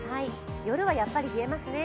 夜はやはり冷えますね？